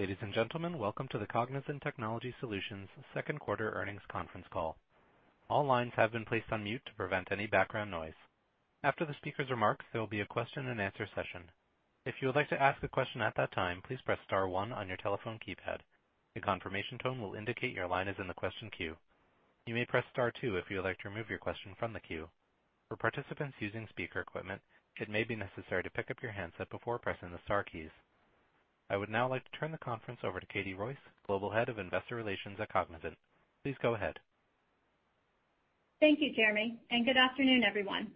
Ladies and gentlemen, welcome to the Cognizant Technology Solutions second quarter earnings conference call. All lines have been placed on mute to prevent any background noise. After the speaker's remarks, there will be a question and answer session. If you would like to ask a question at that time, please press star one on your telephone keypad. The confirmation tone will indicate your line is in the question queue. You may press star two if you would like to remove your question from the queue. For participants using speaker equipment, it may be necessary to pick up your handset before pressing the star keys. I would now like to turn the conference over to Katie Royce, Global Head of Investor Relations at Cognizant. Please go ahead. Thank you, Jeremy, and good afternoon, everyone.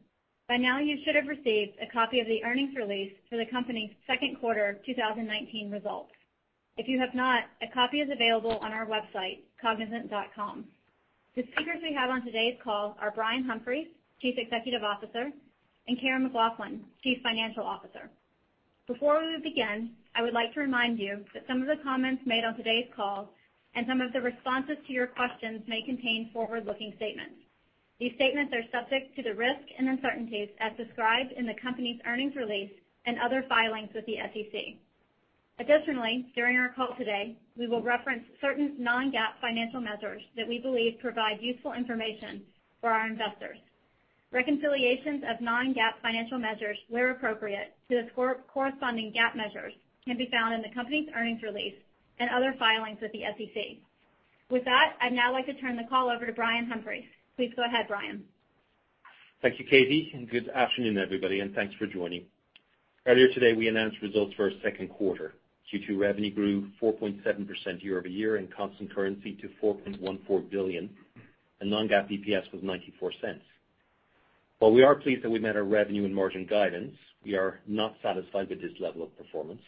By now you should have received a copy of the earnings release for the company's second quarter 2019 results. If you have not, a copy is available on our website, cognizant.com. The speakers we have on today's call are Brian Humphries, Chief Executive Officer, and Karen McLoughlin, Chief Financial Officer. Before we begin, I would like to remind you that some of the comments made on today's call and some of the responses to your questions may contain forward-looking statements. These statements are subject to the risk and uncertainties as described in the company's earnings release and other filings with the SEC. Additionally, during our call today, we will reference certain non-GAAP financial measures that we believe provide useful information for our investors. Reconciliations of non-GAAP financial measures, where appropriate, to the corresponding GAAP measures can be found in the company's earnings release and other filings with the SEC. With that, I'd now like to turn the call over to Brian Humphries. Please go ahead, Brian. Thank you, Katie. Good afternoon, everybody. Thanks for joining. Earlier today, we announced results for our second quarter. Q2 revenue grew 4.7% year-over-year in constant currency to $4.14 billion. Non-GAAP EPS was $0.94. While we are pleased that we met our revenue and margin guidance, we are not satisfied with this level of performance.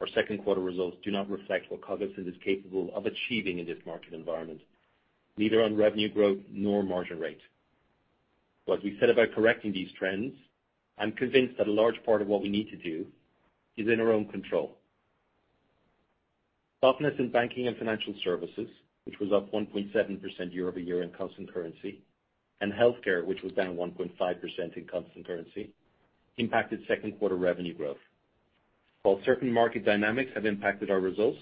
Our second quarter results do not reflect what Cognizant is capable of achieving in this market environment, neither on revenue growth nor margin rate. As we set about correcting these trends, I'm convinced that a large part of what we need to do is in our own control. Softness in banking and financial services, which was up 1.7% year-over-year in constant currency, and healthcare, which was down 1.5% in constant currency, impacted second quarter revenue growth. While certain market dynamics have impacted our results,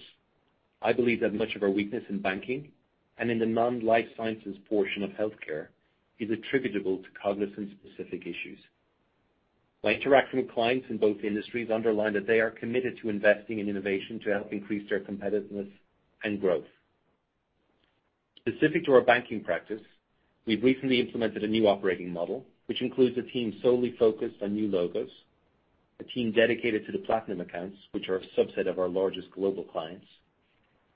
I believe that much of our weakness in banking and in the non-life sciences portion of healthcare is attributable to Cognizant-specific issues. My interaction with clients in both industries underline that they are committed to investing in innovation to help increase their competitiveness and growth. Specific to our banking practice, we've recently implemented a new operating model, which includes a team solely focused on new logos, a team dedicated to the platinum accounts, which are a subset of our largest global clients,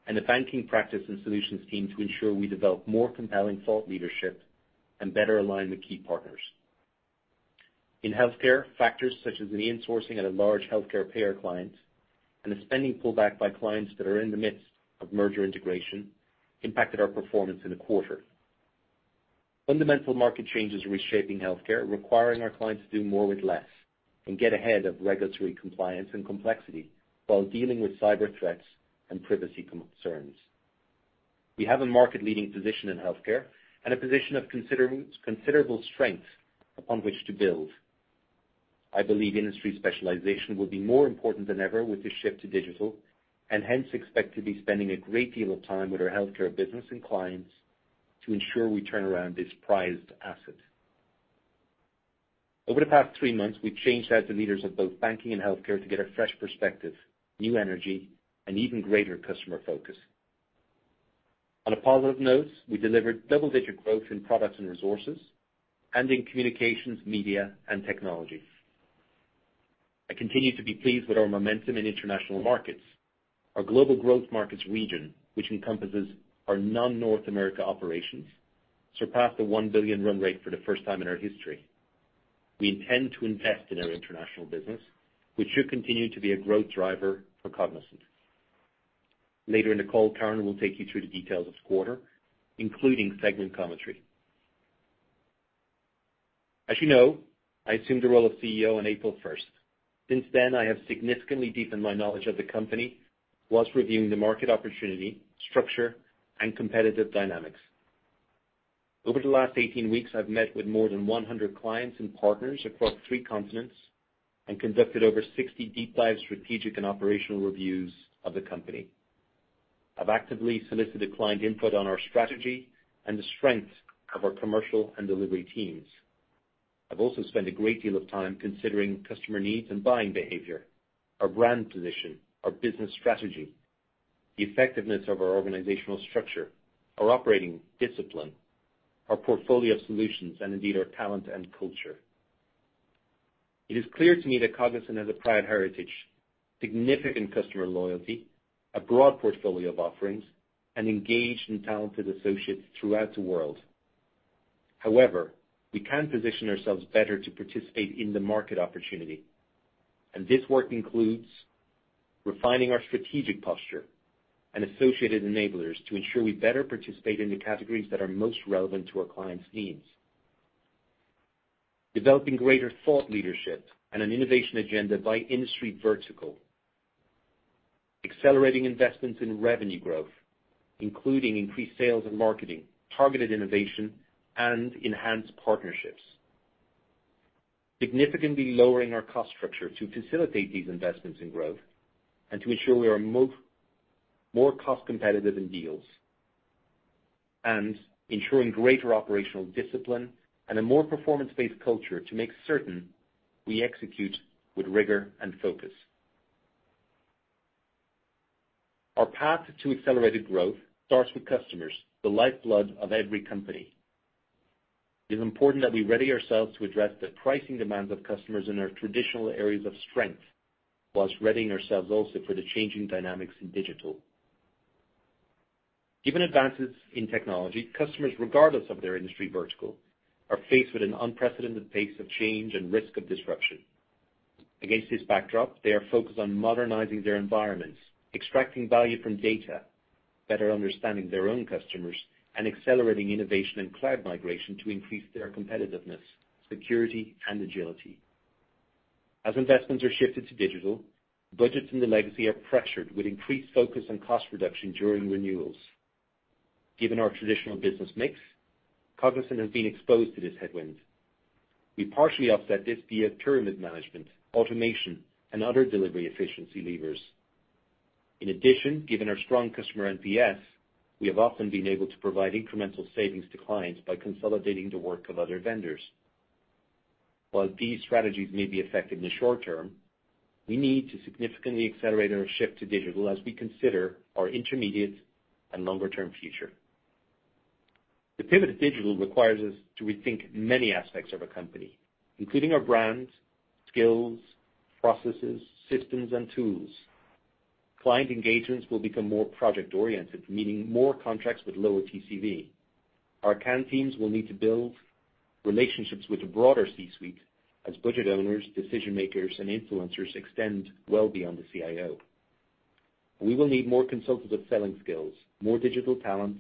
and a banking practice and solutions team to ensure we develop more compelling thought leadership and better align with key partners. In healthcare, factors such as an insourcing at a large healthcare payer client and a spending pullback by clients that are in the midst of merger integration impacted our performance in the quarter. Fundamental market changes reshaping healthcare, requiring our clients to do more with less and get ahead of regulatory compliance and complexity while dealing with cyber threats and privacy concerns. We have a market-leading position in healthcare and a position of considerable strength upon which to build. I believe industry specialization will be more important than ever with the shift to digital, and hence expect to be spending a great deal of time with our healthcare business and clients to ensure we turn around this prized asset. Over the past three months, we've changed out the leaders of both banking and healthcare to get a fresh perspective, new energy, and even greater customer focus. On a positive note, we delivered double-digit growth in products and resources and in communications, media, and technologies. I continue to be pleased with our momentum in international markets. Our global growth markets region, which encompasses our non-North America operations, surpassed a $1 billion run rate for the first time in our history. We intend to invest in our international business, which should continue to be a growth driver for Cognizant. Later in the call, Karen will take you through the details of the quarter, including segment commentary. As you know, I assumed the role of CEO on April 1st. Since then, I have significantly deepened my knowledge of the company whilst reviewing the market opportunity, structure, and competitive dynamics. Over the last 18 weeks, I've met with more than 100 clients and partners across three continents and conducted over 60 deep dive strategic and operational reviews of the company. I've actively solicited client input on our strategy and the strength of our commercial and delivery teams. I've also spent a great deal of time considering customer needs and buying behavior, our brand position, our business strategy, the effectiveness of our organizational structure, our operating discipline, our portfolio of solutions, and indeed, our talent and culture. It is clear to me that Cognizant has a proud heritage, significant customer loyalty, a broad portfolio of offerings, and engaged and talented associates throughout the world. However, we can position ourselves better to participate in the market opportunity, and this work includes refining our strategic posture and associated enablers to ensure we better participate in the categories that are most relevant to our clients' needs. Developing greater thought leadership and an innovation agenda by industry vertical. Accelerating investments in revenue growth, including increased sales and marketing, targeted innovation, and enhanced partnerships. Significantly lowering our cost structure to facilitate these investments in growth, to ensure we are more cost-competitive in deals, ensuring greater operational discipline and a more performance-based culture to make certain we execute with rigor and focus. Our path to accelerated growth starts with customers, the lifeblood of every company. It is important that we ready ourselves to address the pricing demands of customers in our traditional areas of strength, whilst readying ourselves also for the changing dynamics in digital. Given advances in technology, customers, regardless of their industry vertical, are faced with an unprecedented pace of change and risk of disruption. Against this backdrop, they are focused on modernizing their environments, extracting value from data, better understanding their own customers, and accelerating innovation and cloud migration to increase their competitiveness, security, and agility. As investments are shifted to digital, budgets in the legacy are pressured with increased focus on cost reduction during renewals. Given our traditional business mix, Cognizant has been exposed to this headwind. We partially offset this via pyramid management, automation, and other delivery efficiency levers. In addition, given our strong customer NPS, we have often been able to provide incremental savings to clients by consolidating the work of other vendors. While these strategies may be effective in the short term, we need to significantly accelerate our shift to digital as we consider our intermediate and longer-term future. The pivot to digital requires us to rethink many aspects of our company, including our brand, skills, processes, systems, and tools. Client engagements will become more project-oriented, meaning more contracts with lower TCV. Our account teams will need to build relationships with the broader C-suite as budget owners, decision-makers, and influencers extend well beyond the CIO. We will need more consultative selling skills, more digital talent,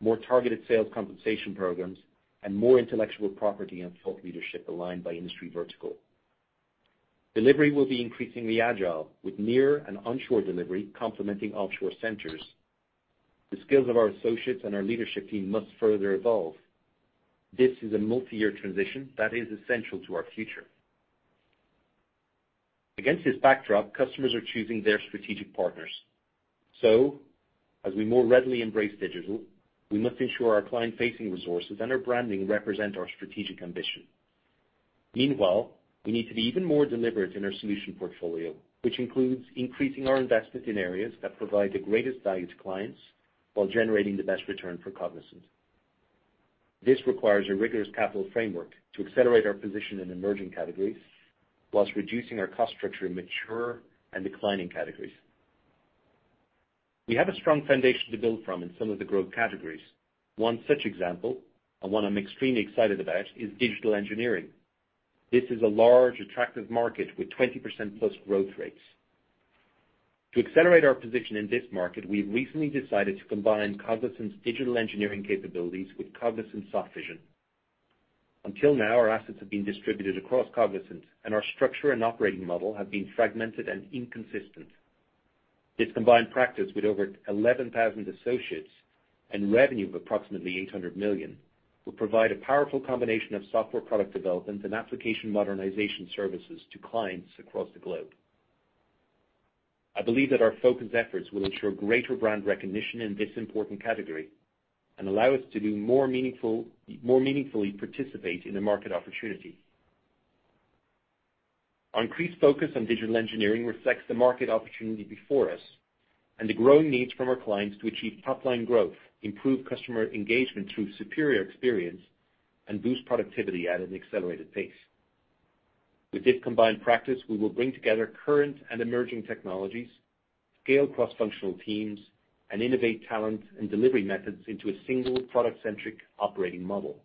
more targeted sales compensation programs, and more intellectual property and thought leadership aligned by industry vertical. Delivery will be increasingly agile, with near and onshore delivery complementing offshore centers. The skills of our associates and our leadership team must further evolve. This is a multi-year transition that is essential to our future. Against this backdrop, customers are choosing their strategic partners. As we more readily embrace digital, we must ensure our client-facing resources and our branding represent our strategic ambition. Meanwhile, we need to be even more deliberate in our solution portfolio, which includes increasing our investment in areas that provide the greatest value to clients while generating the best return for Cognizant. This requires a rigorous capital framework to accelerate our position in emerging categories, whilst reducing our cost structure in mature and declining categories. We have a strong foundation to build from in some of the growth categories. One such example, and one I'm extremely excited about is digital engineering. This is a large attractive market with 20% plus growth rates. To accelerate our position in this market, we've recently decided to combine Cognizant's digital engineering capabilities with Cognizant Softvision. Until now, our assets have been distributed across Cognizant, and our structure and operating model have been fragmented and inconsistent. This combined practice with over 11,000 associates and revenue of approximately $800 million, will provide a powerful combination of software product development and application modernization services to clients across the globe. I believe that our focused efforts will ensure greater brand recognition in this important category and allow us to more meaningfully participate in the market opportunity. Our increased focus on digital engineering reflects the market opportunity before us and the growing needs from our clients to achieve top-line growth, improve customer engagement through superior experience, and boost productivity at an accelerated pace. With this combined practice, we will bring together current and emerging technologies, scale cross-functional teams, and innovate talent and delivery methods into a single product-centric operating model.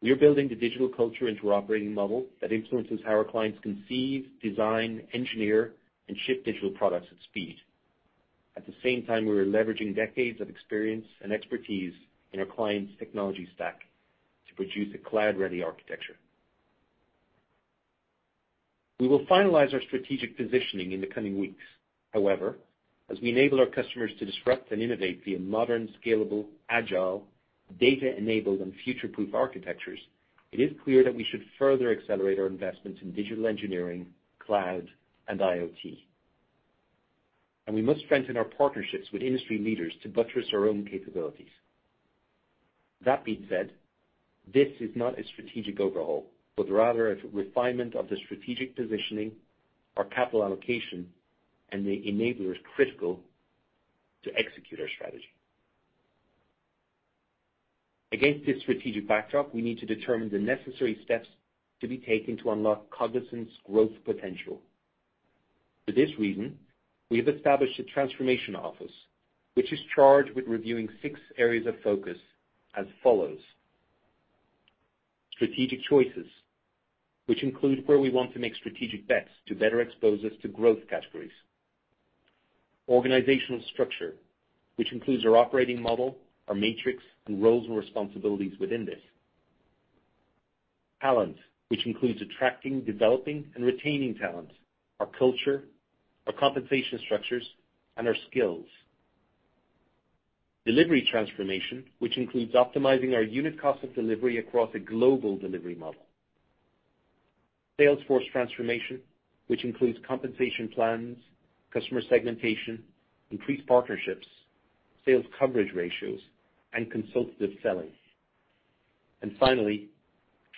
We are building the digital culture into our operating model that influences how our clients conceive, design, engineer, and ship digital products at speed. At the same time, we are leveraging decades of experience and expertise in our clients' technology stack to produce a cloud-ready architecture. We will finalize our strategic positioning in the coming weeks. However, as we enable our customers to disrupt and innovate via modern, scalable, agile, data-enabled, and future-proof architectures, it is clear that we should further accelerate our investments in digital engineering, cloud, and IoT. We must strengthen our partnerships with industry leaders to buttress our own capabilities. That being said, this is not a strategic overhaul, but rather a refinement of the strategic positioning, our capital allocation, and the enablers critical to execute our strategy. Against this strategic backdrop, we need to determine the necessary steps to be taken to unlock Cognizant's growth potential. For this reason, we have established a transformation office, which is charged with reviewing six areas of focus as follows: Strategic choices, which include where we want to make strategic bets to better expose us to growth categories. Organizational structure, which includes our operating model, our matrix, and roles and responsibilities within this. Talent, which includes attracting, developing, and retaining talent, our culture, our compensation structures, and our skills. Delivery Transformation, which includes optimizing our unit cost of delivery across a global delivery model. Sales Force Transformation, which includes compensation plans, customer segmentation, increased partnerships, sales coverage ratios, and consultative selling. Finally,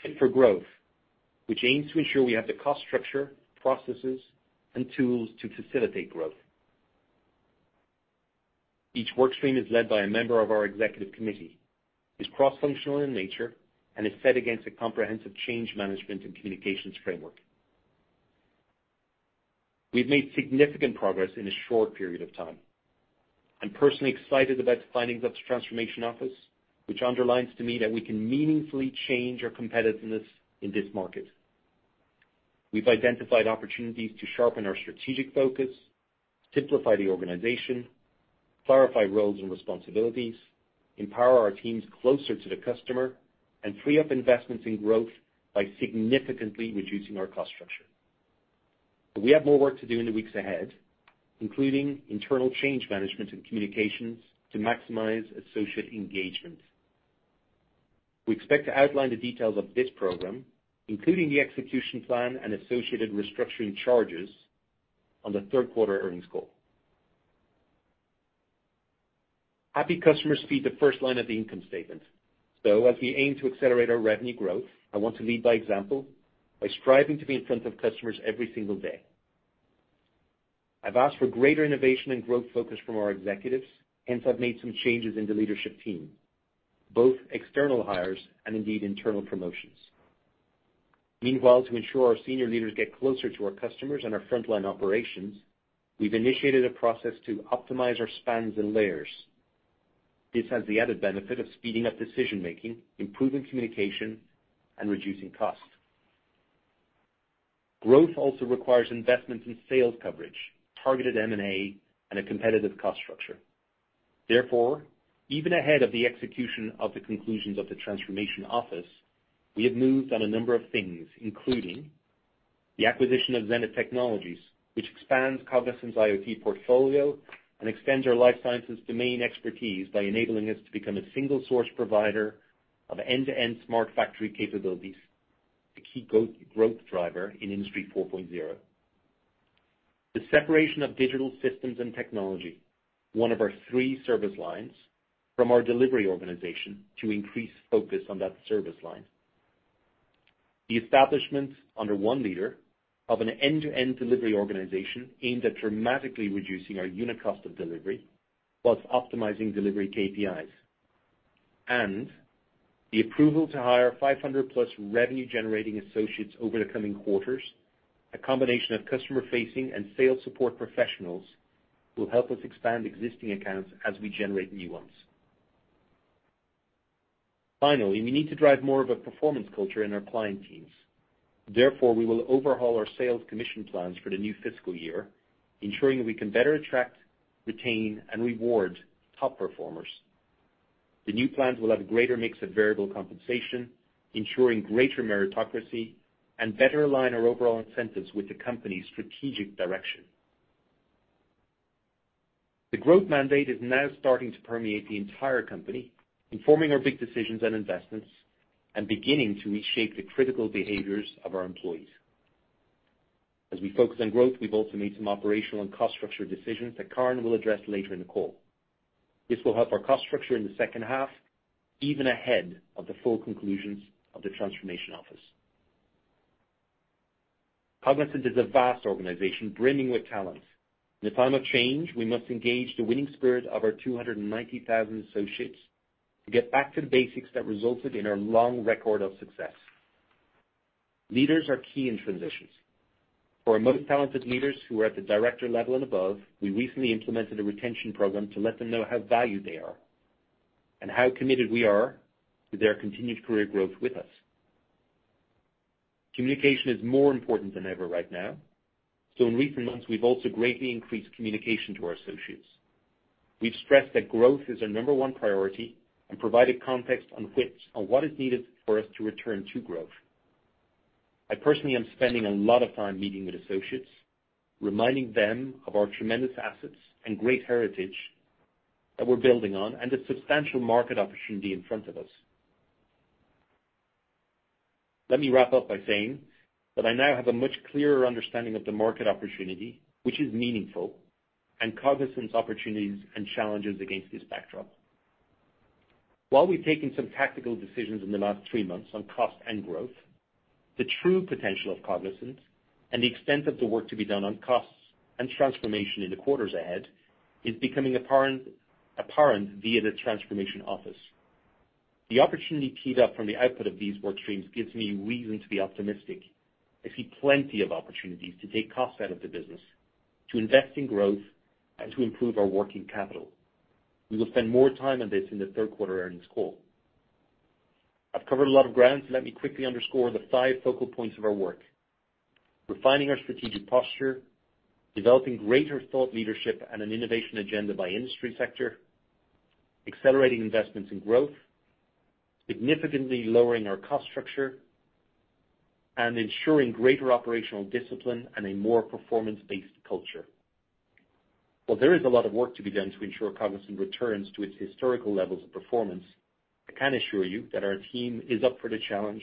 Fit for Growth, which aims to ensure we have the cost structure, processes, and tools to facilitate growth. Each work stream is led by a member of our executive committee, is cross-functional in nature, and is set against a comprehensive change management and communications framework. We've made significant progress in a short period of time. I'm personally excited about the findings of the transformation office, which underlines to me that we can meaningfully change our competitiveness in this market. We've identified opportunities to sharpen our strategic focus, simplify the organization, clarify roles and responsibilities, empower our teams closer to the customer, and free up investments in growth by significantly reducing our cost structure. We have more work to do in the weeks ahead, including internal change management and communications to maximize associate engagement. We expect to outline the details of this program, including the execution plan and associated restructuring charges, on the third quarter earnings call. Happy customers feed the first line of the income statement. As we aim to accelerate our revenue growth, I want to lead by example by striving to be in front of customers every single day. I've asked for greater innovation and growth focus from our executives, hence I've made some changes in the leadership team, both external hires and indeed internal promotions. Meanwhile, to ensure our senior leaders get closer to our customers and our frontline operations, we've initiated a process to optimize our spans and layers. This has the added benefit of speeding up decision-making, improving communication, and reducing costs. Growth also requires investments in sales coverage, targeted M&A, and a competitive cost structure. Even ahead of the execution of the conclusions of the transformation office, we have moved on a number of things, including the acquisition of Zenith Technologies, which expands Cognizant's IoT portfolio and extends our life sciences domain expertise by enabling us to become a single-source provider of end-to-end smart factory capabilities, a key growth driver in Industry 4.0, and the separation of digital systems and technology, one of our three service lines from our delivery organization, to increase focus on that service line. The establishments under one leader of an end-to-end delivery organization aimed at dramatically reducing our unit cost of delivery, whilst optimizing delivery KPIs. The approval to hire 500-plus revenue-generating associates over the coming quarters. A combination of customer-facing and sales support professionals who will help us expand existing accounts as we generate new ones. Finally, we need to drive more of a performance culture in our client teams. Therefore, we will overhaul our sales commission plans for the new fiscal year, ensuring that we can better attract, retain, and reward top performers. The new plans will have a greater mix of variable compensation, ensuring greater meritocracy and better align our overall incentives with the company's strategic direction. The growth mandate is now starting to permeate the entire company, informing our big decisions and investments, and beginning to reshape the critical behaviors of our employees. We've also made some operational and cost structure decisions that Karen will address later in the call. This will help our cost structure in the second half, even ahead of the full conclusions of the transformation office. Cognizant is a vast organization brimming with talent. In a time of change, we must engage the winning spirit of our 290,000 associates to get back to the basics that resulted in our long record of success. Leaders are key in transitions. For our most talented leaders who are at the director level and above, we recently implemented a retention program to let them know how valued they are, and how committed we are to their continued career growth with us. Communication is more important than ever right now. In recent months, we've also greatly increased communication to our associates. We've stressed that growth is our number one priority and provided context on what is needed for us to return to growth. I personally am spending a lot of time meeting with associates, reminding them of our tremendous assets and great heritage that we're building on, and the substantial market opportunity in front of us. Let me wrap up by saying that I now have a much clearer understanding of the market opportunity, which is meaningful, and Cognizant's opportunities and challenges against this backdrop. While we've taken some tactical decisions in the last three months on cost and growth, the true potential of Cognizant and the extent of the work to be done on costs and transformation in the quarters ahead is becoming apparent via the transformation office. The opportunity teed up from the output of these work streams gives me reason to be optimistic. I see plenty of opportunities to take costs out of the business, to invest in growth, and to improve our working capital. We will spend more time on this in the third-quarter earnings call. I've covered a lot of ground, so let me quickly underscore the five focal points of our work. Refining our strategic posture, developing greater thought leadership and an innovation agenda by industry sector, accelerating investments in growth, significantly lowering our cost structure, ensuring greater operational discipline and a more performance-based culture. While there is a lot of work to be done to ensure Cognizant returns to its historical levels of performance, I can assure you that our team is up for the challenge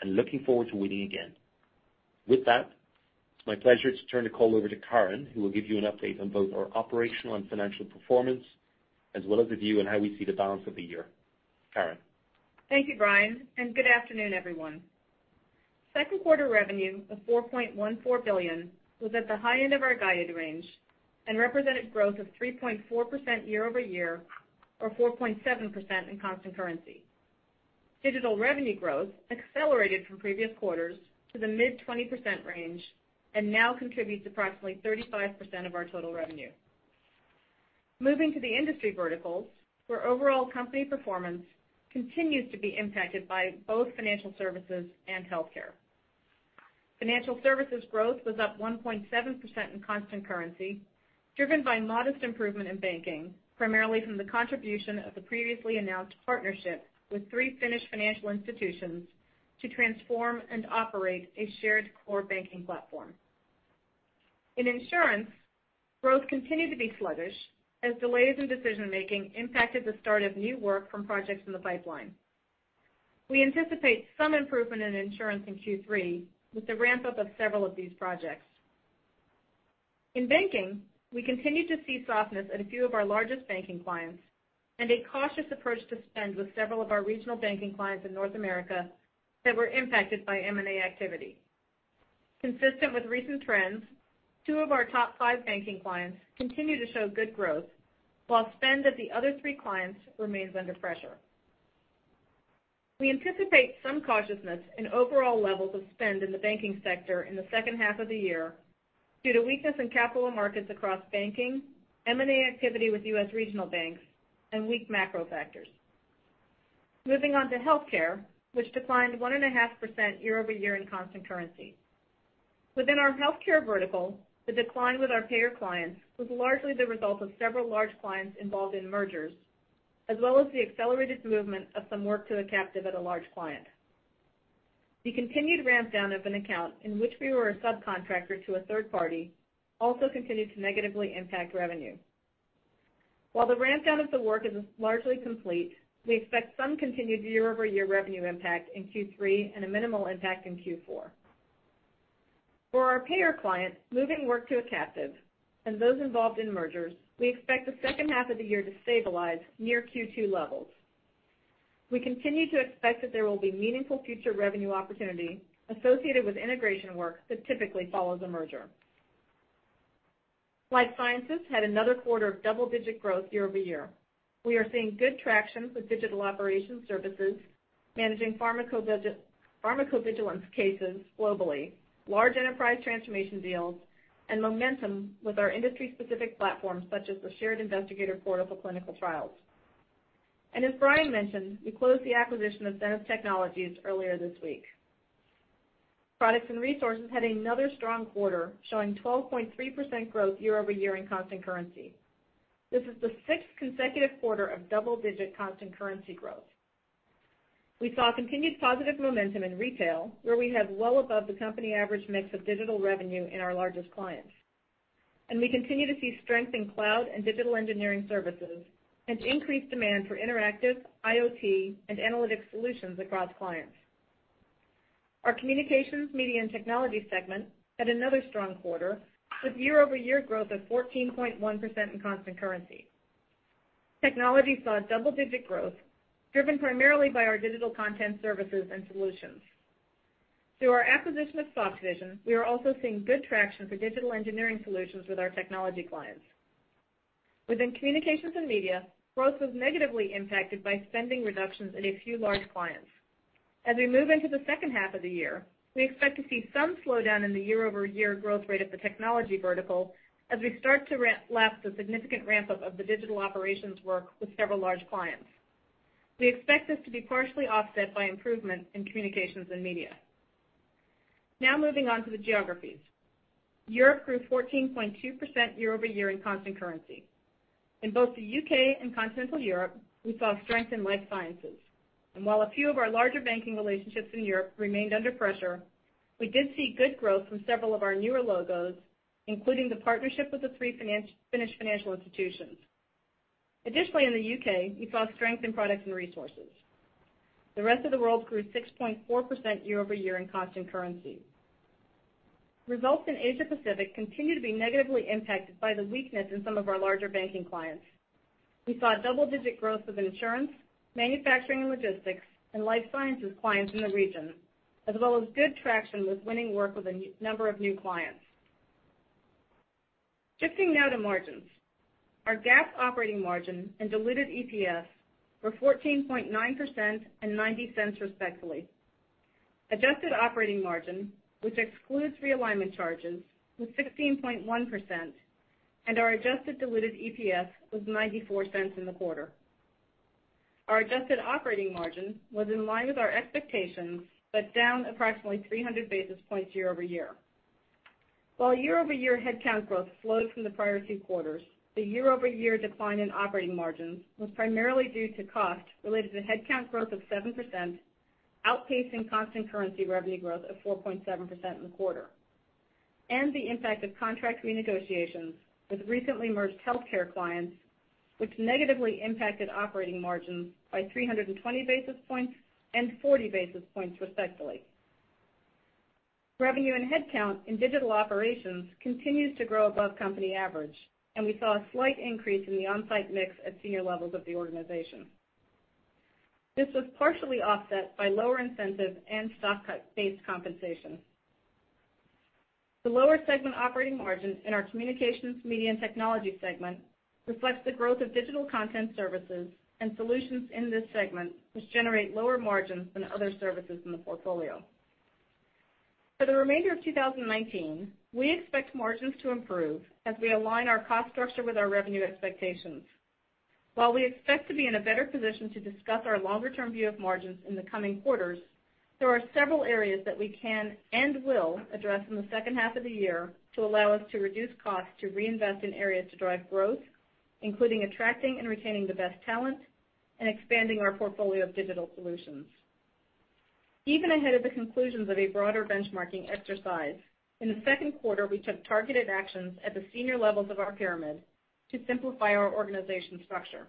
and looking forward to winning again. With that, it's my pleasure to turn the call over to Karen, who will give you an update on both our operational and financial performance, as well as a view on how we see the balance of the year. Karen. Thank you, Brian, and good afternoon, everyone. Second quarter revenue of $4.14 billion was at the high end of our guided range and represented growth of 3.4% year-over-year or 4.7% in constant currency. Digital revenue growth accelerated from previous quarters to the mid 20% range and now contributes approximately 35% of our total revenue. Moving to the industry verticals, where overall company performance continues to be impacted by both financial services and healthcare. Financial services growth was up 1.7% in constant currency, driven by modest improvement in banking, primarily from the contribution of the previously announced partnership with three Finnish financial institutions to transform and operate a shared core banking platform. In insurance, growth continued to be sluggish as delays in decision-making impacted the start of new work from projects in the pipeline. We anticipate some improvement in insurance in Q3 with the ramp-up of several of these projects. In banking, we continue to see softness at a few of our largest banking clients and a cautious approach to spend with several of our regional banking clients in North America that were impacted by M&A activity. Consistent with recent trends, two of our top five banking clients continue to show good growth, while spend at the other three clients remains under pressure. We anticipate some cautiousness in overall levels of spend in the banking sector in the second half of the year due to weakness in capital markets across banking, M&A activity with U.S. regional banks, and weak macro factors. Moving on to healthcare, which declined 1.5% year-over-year in constant currency. Within our healthcare vertical, the decline with our payer clients was largely the result of several large clients involved in mergers, as well as the accelerated movement of some work to a captive at a large client. The continued ramp-down of an account in which we were a subcontractor to a third party also continued to negatively impact revenue. While the ramp-down of the work is largely complete, we expect some continued year-over-year revenue impact in Q3 and a minimal impact in Q4. For our payer clients moving work to a captive and those involved in mergers, we expect the second half of the year to stabilize near Q2 levels. We continue to expect that there will be meaningful future revenue opportunity associated with integration work that typically follows a merger. Life sciences had another quarter of double-digit growth year-over-year. We are seeing good traction with digital operations services, managing pharmacovigilance cases globally, large enterprise transformation deals, and momentum with our industry-specific platforms such as the shared investigator portal for clinical trials. As Brian mentioned, we closed the acquisition of Zenith Technologies earlier this week. Products and resources had another strong quarter, showing 12.3% growth year-over-year in constant currency. This is the sixth consecutive quarter of double-digit constant currency growth. We saw continued positive momentum in retail, where we have well above the company average mix of digital revenue in our largest clients. We continue to see strength in cloud and digital engineering services and increased demand for interactive, IoT, and analytics solutions across clients. Our Communications, Media, and Technology segment had another strong quarter with year-over-year growth of 14.1% in constant currency. Technology saw double-digit growth, driven primarily by our digital content services and solutions. Through our acquisition of Softvision, we are also seeing good traction for digital engineering solutions with our technology clients. Within communications and media, growth was negatively impacted by spending reductions in a few large clients. As we move into the second half of the year, we expect to see some slowdown in the year-over-year growth rate of the technology vertical as we start to lap the significant ramp-up of the digital operations work with several large clients. We expect this to be partially offset by improvements in communications and media. Now moving on to the geographies. Europe grew 14.2% year-over-year in constant currency. In both the U.K. and continental Europe, we saw strength in life sciences. While a few of our larger banking relationships in Europe remained under pressure, we did see good growth from several of our newer logos, including the partnership with the three Finnish financial institutions. Additionally, in the U.K., we saw strength in products and resources. The rest of the world grew 6.4% year-over-year in constant currency. Results in Asia Pacific continue to be negatively impacted by the weakness in some of our larger banking clients. We saw double-digit growth of insurance, manufacturing and logistics, and life sciences clients in the region, as well as good traction with winning work with a number of new clients. Shifting now to margins. Our GAAP operating margin and diluted EPS were 14.9% and $0.90, respectively. Adjusted operating margin, which excludes realignment charges, was 16.1%, and our adjusted diluted EPS was $0.94 in the quarter. Our adjusted operating margin was in line with our expectations but down approximately 300 basis points year-over-year. While year-over-year headcount growth slowed from the prior two quarters, the year-over-year decline in operating margins was primarily due to cost related to headcount growth of 7%, outpacing constant currency revenue growth of 4.7% in the quarter, and the impact of contract renegotiations with recently merged healthcare clients, which negatively impacted operating margins by 320 basis points and 40 basis points, respectively. Revenue and headcount in digital operations continues to grow above company average, and we saw a slight increase in the on-site mix at senior levels of the organization. This was partially offset by lower incentive and stock-based compensation. The lower segment operating margins in our communications, media, and technology segment reflects the growth of digital content services and solutions in this segment, which generate lower margins than other services in the portfolio. For the remainder of 2019, we expect margins to improve as we align our cost structure with our revenue expectations. While we expect to be in a better position to discuss our longer-term view of margins in the coming quarters, there are several areas that we can and will address in the second half of the year to allow us to reduce costs to reinvest in areas to drive growth, including attracting and retaining the best talent and expanding our portfolio of digital solutions. Even ahead of the conclusions of a broader benchmarking exercise, in the second quarter, we took targeted actions at the senior levels of our pyramid to simplify our organization structure.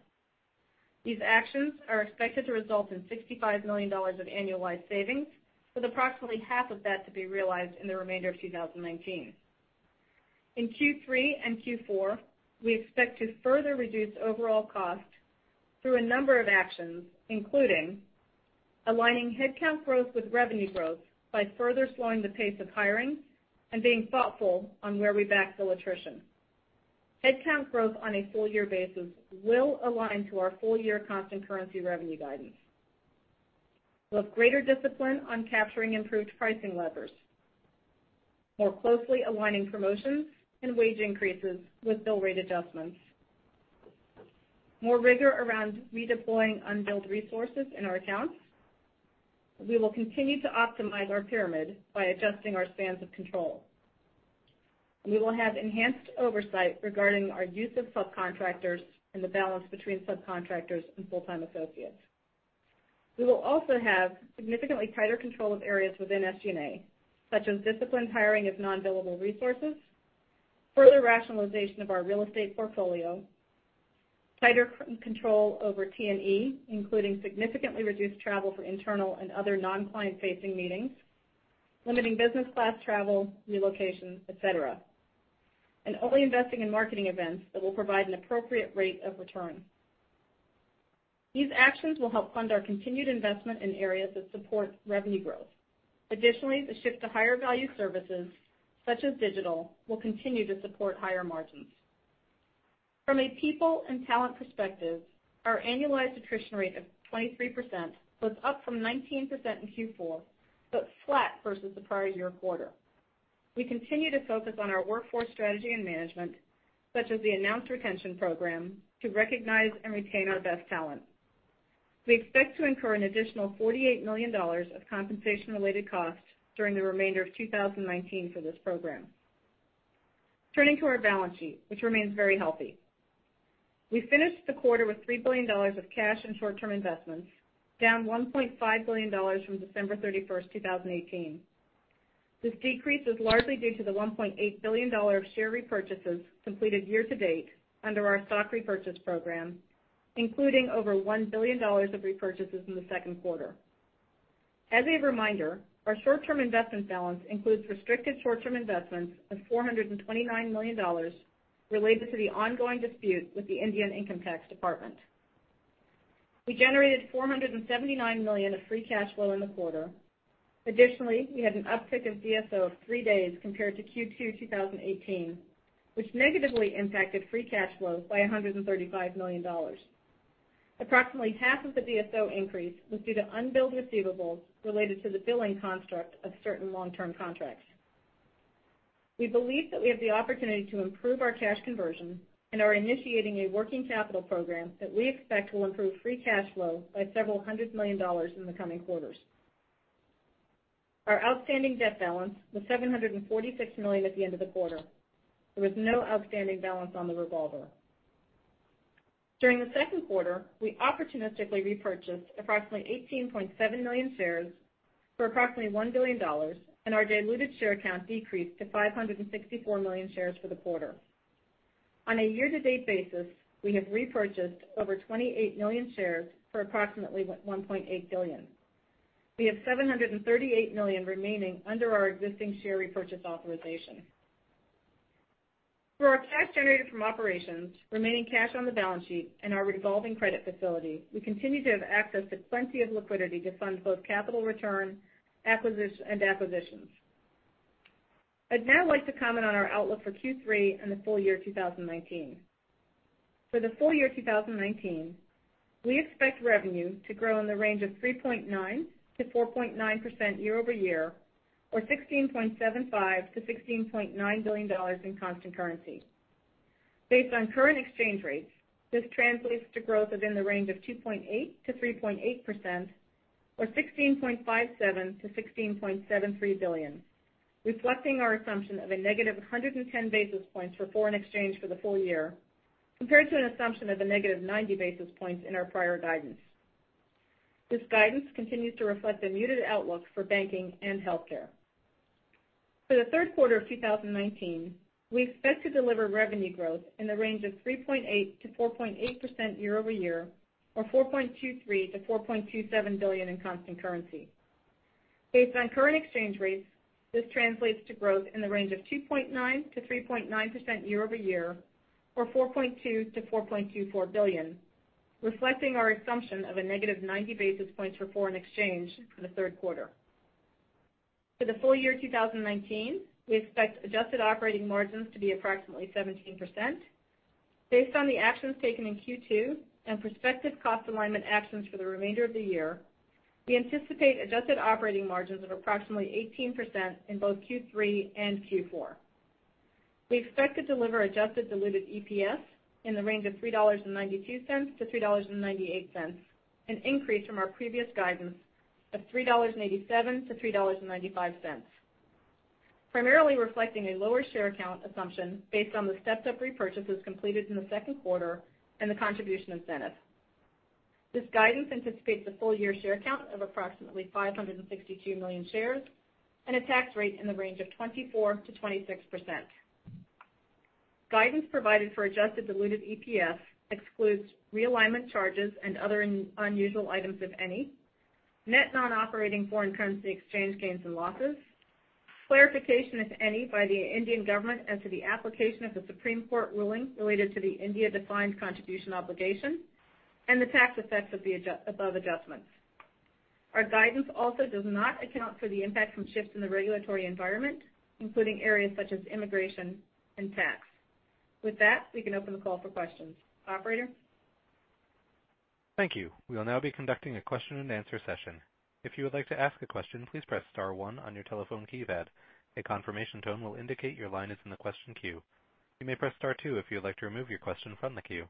These actions are expected to result in $65 million of annualized savings, with approximately half of that to be realized in the remainder of 2019. In Q3 and Q4, we expect to further reduce overall cost through a number of actions, including aligning headcount growth with revenue growth by further slowing the pace of hiring and being thoughtful on where we backfill attrition. Headcount growth on a full-year basis will align to our full-year constant currency revenue guidance with greater discipline on capturing improved pricing levers, more closely aligning promotions and wage increases with bill rate adjustments, more rigor around redeploying unbilled resources in our accounts. We will continue to optimize our pyramid by adjusting our spans of control. We will have enhanced oversight regarding our use of subcontractors and the balance between subcontractors and full-time associates. We will also have significantly tighter control of areas within SG&A, such as disciplined hiring of non-billable resources, further rationalization of our real estate portfolio, tighter control over T&E, including significantly reduced travel for internal and other non-client-facing meetings, limiting business class travel, relocation, et cetera, and only investing in marketing events that will provide an appropriate rate of return. These actions will help fund our continued investment in areas that support revenue growth. Additionally, the shift to higher-value services such as digital will continue to support higher margins. From a people and talent perspective, our annualized attrition rate of 23% was up from 19% in Q4, but flat versus the prior year quarter. We continue to focus on our workforce strategy and management, such as the announced retention program, to recognize and retain our best talent. We expect to incur an additional $48 million of compensation-related costs during the remainder of 2019 for this program. Turning to our balance sheet, which remains very healthy. We finished the quarter with $3 billion of cash and short-term investments, down $1.5 billion from December 31st, 2018. This decrease is largely due to the $1.8 billion of share repurchases completed year-to-date under our stock repurchase program, including over $1 billion of repurchases in the second quarter. As a reminder, our short-term investment balance includes restricted short-term investments of $429 million related to the ongoing dispute with the Income Tax Department. We generated $479 million of free cash flow in the quarter. Additionally, we had an uptick of DSO of three days compared to Q2 2018, which negatively impacted free cash flow by $135 million. Approximately half of the DSO increase was due to unbilled receivables related to the billing construct of certain long-term contracts. We believe that we have the opportunity to improve our cash conversion and are initiating a working capital program that we expect will improve free cash flow by $several hundred million in the coming quarters. Our outstanding debt balance was $746 million at the end of the quarter. There was no outstanding balance on the revolver. During the second quarter, we opportunistically repurchased approximately 18.7 million shares for approximately $1 billion, and our diluted share count decreased to 564 million shares for the quarter. On a year-to-date basis, we have repurchased over 28 million shares for approximately $1.8 billion. We have $738 million remaining under our existing share repurchase authorization. Through our cash generated from operations, remaining cash on the balance sheet, and our revolving credit facility, we continue to have access to plenty of liquidity to fund both capital return and acquisitions. I'd now like to comment on our outlook for Q3 and the full year 2019. For the full year 2019, we expect revenue to grow in the range of 3.9%-4.9% year-over-year, or $16.75 billion-$16.9 billion in constant currency. Based on current exchange rates, this translates to growth within the range of 2.8%-3.8%, or $16.57 billion-$16.73 billion, reflecting our assumption of a negative 110 basis points for foreign exchange for the full year, compared to an assumption of a negative 90 basis points in our prior guidance. This guidance continues to reflect a muted outlook for banking and healthcare. For the third quarter of 2019, we expect to deliver revenue growth in the range of 3.8%-4.8% year over year, or $4.23 billion-$4.27 billion in constant currency. Based on current exchange rates, this translates to growth in the range of 2.9%-3.9% year over year, or $4.2 billion-$4.24 billion, reflecting our assumption of a negative 90 basis points for foreign exchange for the third quarter. For the full year 2019, we expect adjusted operating margins to be approximately 17%. Based on the actions taken in Q2 and prospective cost alignment actions for the remainder of the year, we anticipate adjusted operating margins of approximately 18% in both Q3 and Q4. We expect to deliver adjusted diluted EPS in the range of $3.92-$3.98, an increase from our previous guidance of $3.87-$3.95, primarily reflecting a lower share count assumption based on the stepped-up repurchases completed in the second quarter and the contribution of Zenith. This guidance anticipates a full-year share count of approximately 562 million shares and a tax rate in the range of 24%-26%. Guidance provided for adjusted diluted EPS excludes realignment charges and other unusual items, if any. Net non-operating foreign currency exchange gains and losses, clarification, if any, by the Indian government as to the application of the Supreme Court ruling related to the India defined contribution obligation, and the tax effects of the above adjustments. Our guidance also does not account for the impact from shifts in the regulatory environment, including areas such as immigration and tax. With that, we can open the call for questions. Operator? Thank you. We will now be conducting a question and answer session. If you would like to ask a question, please press star 1 on your telephone keypad. A confirmation tone will indicate your line is in the question queue. You may press star 2 if you'd like to remove your question from the queue.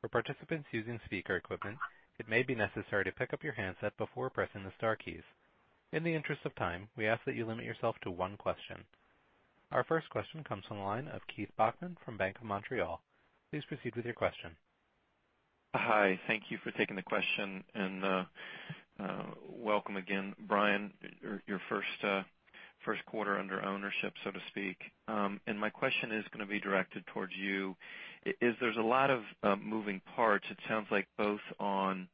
For participants using speaker equipment, it may be necessary to pick up your handset before pressing the star keys. In the interest of time, we ask that you limit yourself to one question. Our first question comes from the line of Keith Bachman from BMO Capital Markets. Please proceed with your question. Thank you for taking the question, welcome again, Brian. Your first quarter under ownership, so to speak. My question is going to be directed towards you, is there's a lot of moving parts, it sounds like, both on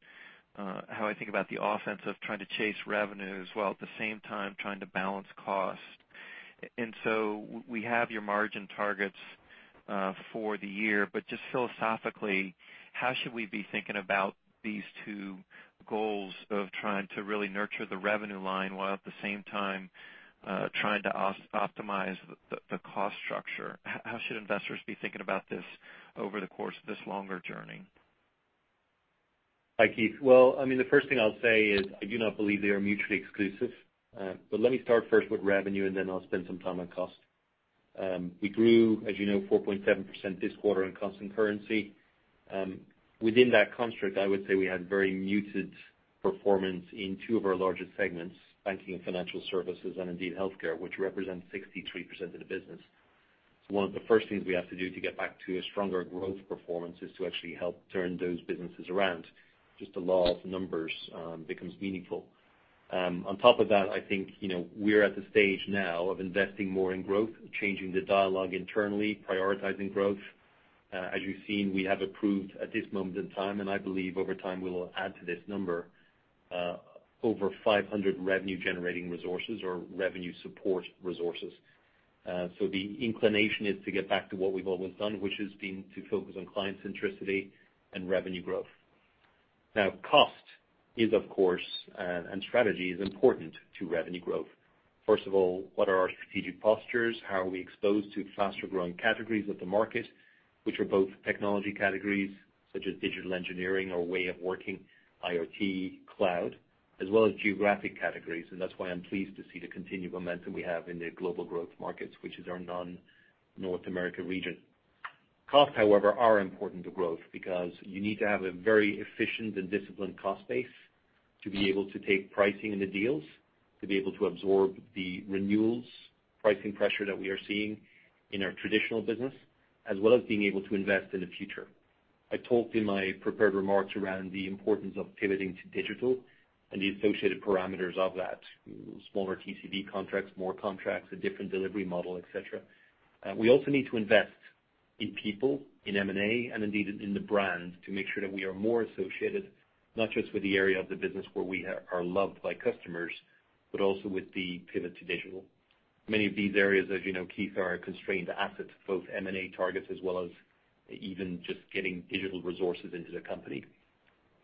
how I think about the offense of trying to chase revenue, as well, at the same time, trying to balance cost. We have your margin targets for the year. Just philosophically, how should we be thinking about these two goals of trying to really nurture the revenue line while at the same time trying to optimize the cost structure? How should investors be thinking about this over the course of this longer journey? Hi, Keith. Well, the first thing I'll say is I do not believe they are mutually exclusive. Let me start first with revenue, and then I'll spend some time on cost. We grew, as you know, 4.7% this quarter in constant currency. Within that construct, I would say we had very muted performance in two of our larger segments, banking and financial services, and indeed healthcare, which represents 63% of the business. One of the first things we have to do to get back to a stronger growth performance is to actually help turn those businesses around. Just the law of numbers becomes meaningful. On top of that, I think we're at the stage now of investing more in growth, changing the dialogue internally, prioritizing growth. As you've seen, we have approved at this moment in time, and I believe over time, we will add to this number, over 500 revenue-generating resources or revenue support resources. The inclination is to get back to what we've always done, which has been to focus on client centricity and revenue growth. Now cost is, of course, and strategy is important to revenue growth. First of all, what are our strategic postures? How are we exposed to faster-growing categories of the market, which are both technology categories such as digital engineering, our way of working, IoT, cloud, as well as geographic categories? That's why I'm pleased to see the continued momentum we have in the global growth markets, which is our non-North America region. Costs, however, are important to growth because you need to have a very efficient and disciplined cost base to be able to take pricing in the deals, to be able to absorb the renewals pricing pressure that we are seeing in our traditional business, as well as being able to invest in the future. I talked in my prepared remarks around the importance of pivoting to digital and the associated parameters of that. Smaller TCV contracts, more contracts, a different delivery model, et cetera. We also need to invest in people, in M&A, and indeed in the brand to make sure that we are more associated, not just with the area of the business where we are loved by customers, but also with the pivot to digital. Many of these areas, as you know, Keith, are constrained assets, both M&A targets as well as even just getting digital resources into the company.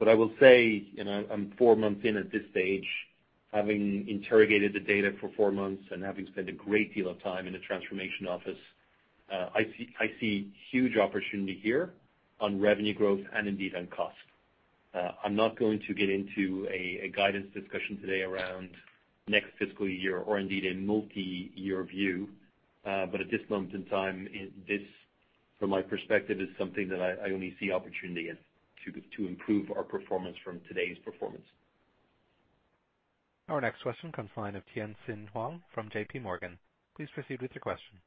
I will say, I'm four months in at this stage, having interrogated the data for four months and having spent a great deal of time in the transformation office, I see huge opportunity here on revenue growth and indeed on cost. I'm not going to get into a guidance discussion today around next fiscal year or indeed a multi-year view. At this moment in time, this, from my perspective, is something that I only see opportunity in to improve our performance from today's performance. Our next question comes the line of Tien-Tsin Huang from JPMorgan, please proceed with your question.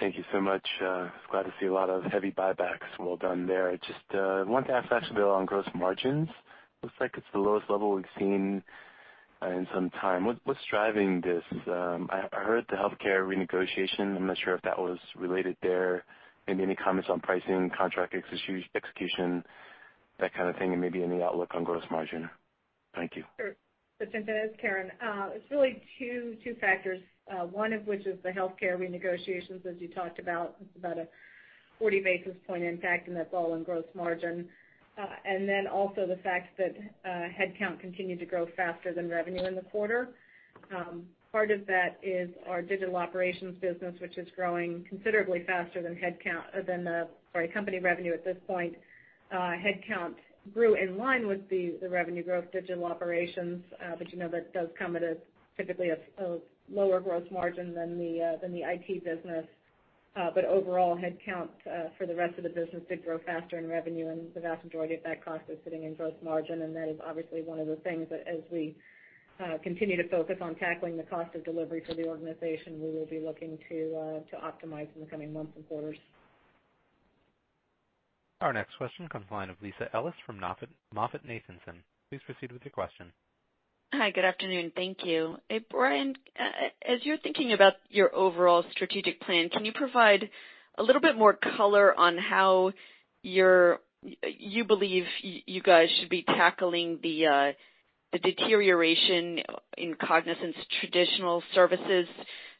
Thank you so much. Glad to see a lot of heavy buybacks, well done there. Just wanted to ask actually on gross margins. Looks like it's the lowest level we've seen in some time. What's driving this? I heard the healthcare renegotiation. I'm not sure if that was related there. Maybe any comments on pricing, contract execution, that kind of thing, and maybe any outlook on gross margin. Thank you. Sure. This is Karen. It's really two factors, one of which is the healthcare renegotiations, as you talked about. It's about a 40 basis point impact in that fall in gross margin. Also the fact that headcount continued to grow faster than revenue in the quarter. Part of that is our digital operations business, which is growing considerably faster than company revenue at this point. Headcount grew in line with the revenue growth digital operations, you know that does come at a, typically, lower gross margin than the IT business. Overall headcount, for the rest of the business, did grow faster in revenue, and the vast majority of that cost is sitting in gross margin, and that is obviously one of the things that as we continue to focus on tackling the cost of delivery for the organization, we will be looking to optimize in the coming months and quarters. Our next question comes the line of Lisa Ellis from MoffettNathanson. Please proceed with your question. Hi, good afternoon. Thank you. Brian, as you're thinking about your overall strategic plan, can you provide a little bit more color on how you believe you guys should be tackling the deterioration in Cognizant's traditional services,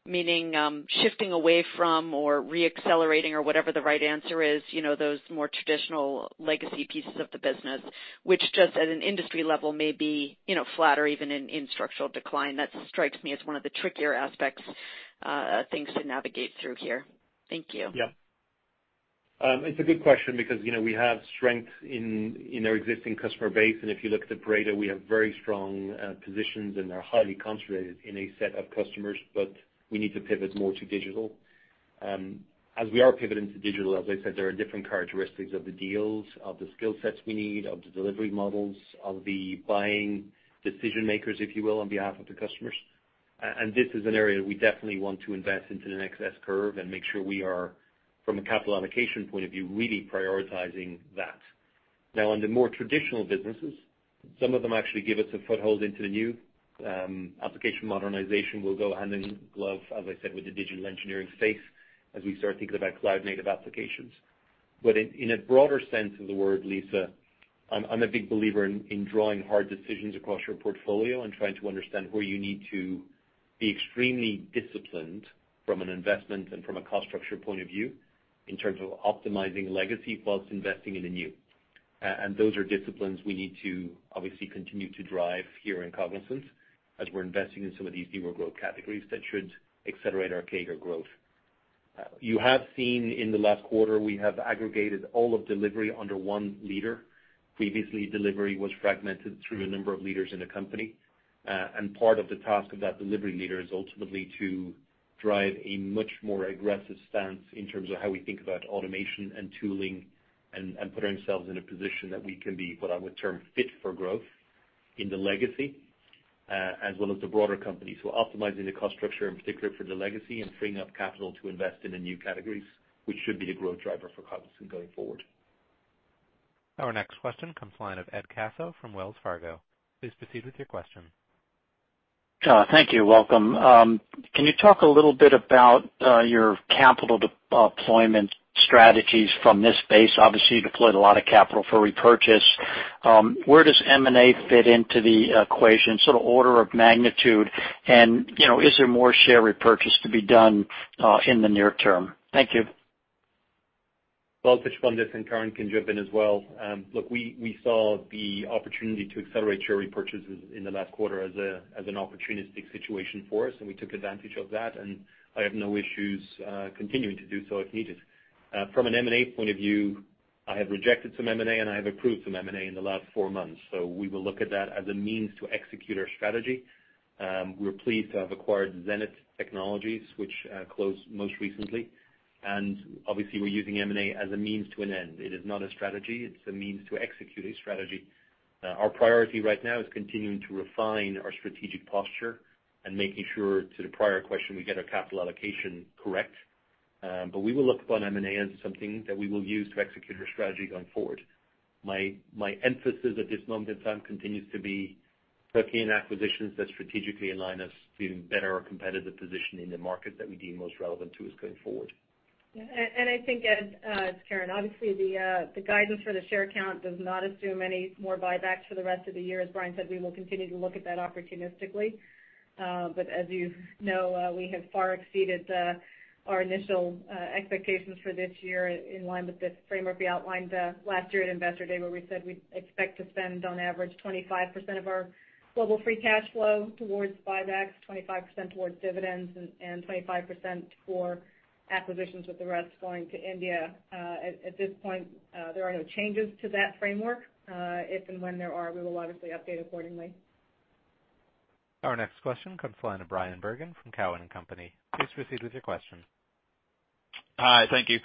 meaning shifting away from or re-accelerating or whatever the right answer is, those more traditional legacy pieces of the business, which just at an industry level may be flat or even in structural decline? That strikes me as one of the trickier aspects of things to navigate through here. Thank you. Yeah. It's a good question because we have strength in our existing customer base, and if you look at the Pareto, we have very strong positions and are highly concentrated in a set of customers, but we need to pivot more to digital. As we are pivoting to digital, as I said, there are different characteristics of the deals, of the skill sets we need, of the delivery models, of the buying decision-makers, if you will, on behalf of the customers. This is an area we definitely want to invest into the next S-curve and make sure we are, from a capital allocation point of view, really prioritizing that. Now, on the more traditional businesses, some of them actually give us a foothold into the new. Application modernization will go hand in glove, as I said, with the digital engineering space as we start thinking about cloud-native applications. In a broader sense of the word, Lisa, I'm a big believer in drawing hard decisions across your portfolio and trying to understand where you need to be extremely disciplined from an investment and from a cost structure point of view in terms of optimizing legacy whilst investing in the new. Those are disciplines we need to obviously continue to drive here in Cognizant as we're investing in some of these newer growth categories that should accelerate our CAGR growth. You have seen in the last quarter, we have aggregated all of delivery under one leader. Previously, delivery was fragmented through a number of leaders in the company. Part of the task of that delivery leader is ultimately to drive a much more aggressive stance in terms of how we think about automation and tooling and put ourselves in a position that we can be, what I would term, fit for growth in the legacy, as well as the broader company. Optimizing the cost structure, in particular for the legacy and freeing up capital to invest in the new categories, which should be the growth driver for Cognizant going forward. Our next question comes the line of Edward Caso from Wells Fargo. Please proceed with your question. Thank you. Welcome. Can you talk a little bit about your capital deployment strategies from this base? Obviously, you deployed a lot of capital for repurchase. Where does M&A fit into the equation, sort of order of magnitude? Is there more share repurchase to be done in the near term? Thank you. Well, I'll touch upon this, and Karen can jump in as well. Look, we saw the opportunity to accelerate share repurchases in the last quarter as an opportunistic situation for us, and we took advantage of that, and I have no issues continuing to do so if needed. From an M&A point of view, I have rejected some M&A, and I have approved some M&A in the last four months. We will look at that as a means to execute our strategy. We're pleased to have acquired Zenith Technologies, which closed most recently. Obviously, we're using M&A as a means to an end. It is not a strategy. It's a means to execute a strategy. Our priority right now is continuing to refine our strategic posture and making sure, to the prior question, we get our capital allocation correct. We will look upon M&A as something that we will use to execute our strategy going forward. My emphasis at this moment in time continues to be looking at acquisitions that strategically align us to better our competitive position in the market that we deem most relevant to us going forward. Yeah. I think, Ed, it's Karen, obviously, the guidance for the share count does not assume any more buybacks for the rest of the year. As Brian said, we will continue to look at that opportunistically. As you know, we have far exceeded our initial expectations for this year in line with the framework we outlined last year at Investor Day, where we said we expect to spend on average 25% of our global free cash flow towards buybacks, 25% towards dividends, and 25% for acquisitions, with the rest going to India. At this point, there are no changes to that framework. If and when there are, we will obviously update accordingly. Our next question comes from the line of Bryan Bergin from Cowen and Company. Please proceed with your question. Hi. Thank you.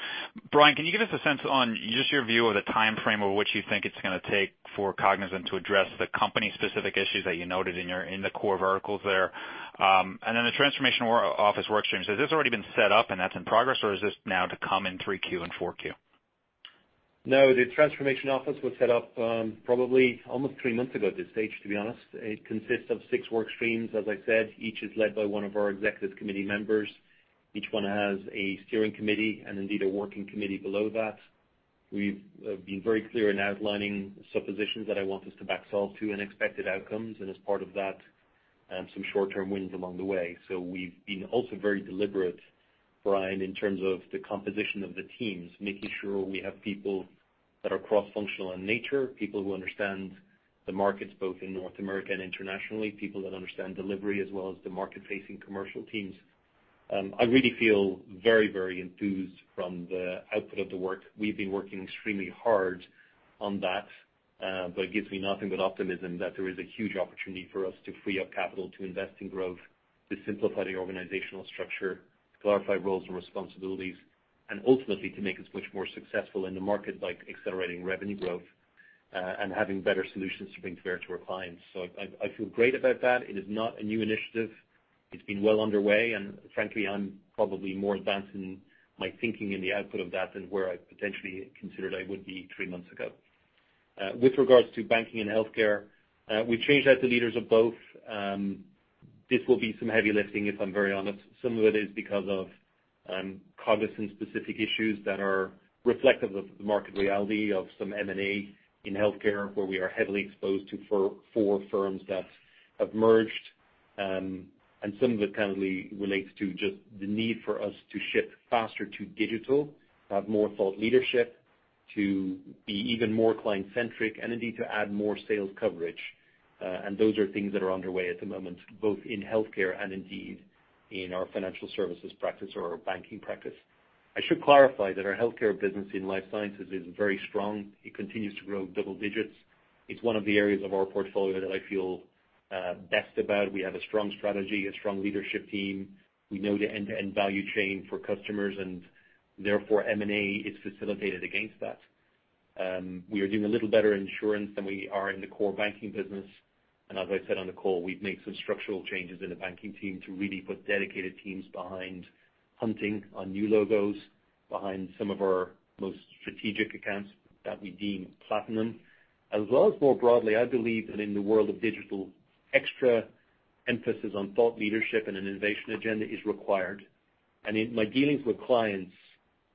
Brian, can you give us a sense on just your view of the timeframe of what you think it's going to take for Cognizant to address the company specific issues that you noted in the core verticals there? The transformation office work stream, has this already been set up and that's in progress, or is this now to come in 3Q and 4Q? The transformation office was set up probably almost three months ago at this stage, to be honest. It consists of six work streams, as I said. Each is led by one of our executive committee members. Each one has a steering committee and indeed a working committee below that. We've been very clear in outlining suppositions that I want us to back solve to unexpected outcomes and as part of that, some short-term wins along the way. We've been also very deliberate, Brian, in terms of the composition of the teams, making sure we have people that are cross-functional in nature, people who understand the markets both in North America and internationally, people that understand delivery as well as the market-facing commercial teams. I really feel very enthused from the output of the work. We've been working extremely hard on that, but it gives me nothing but optimism that there is a huge opportunity for us to free up capital to invest in growth, to simplify the organizational structure, to clarify roles and responsibilities, and ultimately to make us much more successful in the market, like accelerating revenue growth, and having better solutions to bring to bear to our clients. I feel great about that. It is not a new initiative. It's been well underway and frankly, I'm probably more advanced in my thinking in the output of that than where I potentially considered I would be three months ago. With regards to banking and healthcare, we've changed out the leaders of both. This will be some heavy lifting if I'm very honest. Some of it is because of Cognizant-specific issues that are reflective of the market reality of some M&A in healthcare, where we are heavily exposed to four firms that have merged. Some of it candidly relates to just the need for us to shift faster to digital, have more thought leadership, to be even more client-centric and indeed to add more sales coverage. Those are things that are underway at the moment, both in healthcare and indeed in our financial services practice or our banking practice. I should clarify that our healthcare business in life sciences is very strong. It continues to grow double digits. It's one of the areas of our portfolio that I feel best about. We have a strong strategy, a strong leadership team. We know the end-to-end value chain for customers and therefore M&A is facilitated against that. We are doing a little better in insurance than we are in the core banking business. As I said on the call, we've made some structural changes in the banking team to really put dedicated teams behind hunting on new logos, behind some of our most strategic accounts that we deem platinum. As well as more broadly, I believe that in the world of digital, extra emphasis on thought leadership and an innovation agenda is required. In my dealings with clients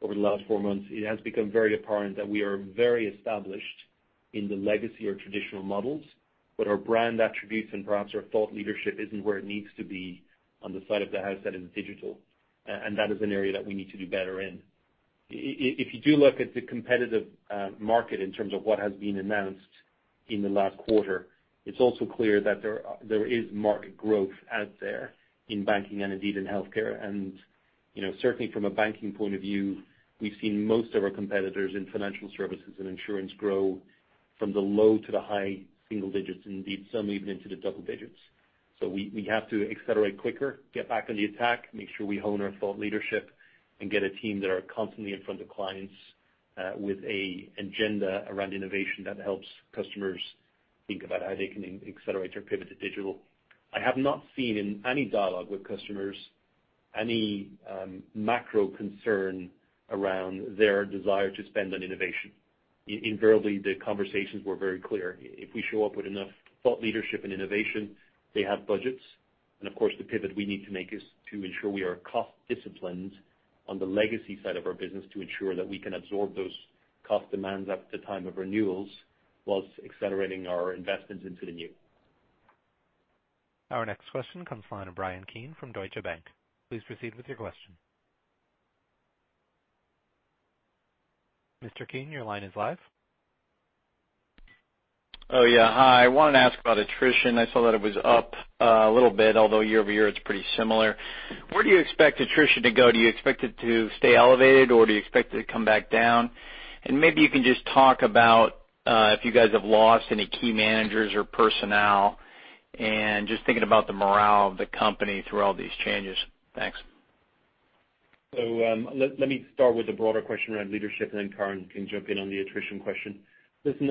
over the last four months, it has become very apparent that we are very established in the legacy or traditional models, but our brand attributes and perhaps our thought leadership isn't where it needs to be on the side of the house that is digital. That is an area that we need to do better in. If you do look at the competitive market in terms of what has been announced in the last quarter, it's also clear that there is market growth out there in banking and indeed in healthcare. Certainly from a banking point of view, we've seen most of our competitors in financial services and insurance grow from the low to the high single digits, and indeed some even into the double digits. We have to accelerate quicker, get back on the attack, make sure we hone our thought leadership and get a team that are constantly in front of clients, with an agenda around innovation that helps customers think about how they can accelerate their pivot to digital. I have not seen in any dialogue with customers any macro concern around their desire to spend on innovation. Invariably, the conversations were very clear. If we show up with enough thought leadership and innovation, they have budgets, and of course, the pivot we need to make is to ensure we are cost-disciplined on the legacy side of our business to ensure that we can absorb those cost demands at the time of renewals while accelerating our investments into the new. Our next question comes from the line of Bryan Keane from Deutsche Bank. Please proceed with your question. Mr. Keane, your line is live. Oh yeah. Hi. I wanted to ask about attrition. I saw that it was up a little bit, although year-over-year it's pretty similar. Where do you expect attrition to go? Do you expect it to stay elevated or do you expect it to come back down? Maybe you can just talk about if you guys have lost any key managers or personnel and just thinking about the morale of the company through all these changes. Thanks. Let me start with the broader question around leadership and then Karen can jump in on the attrition question. Listen,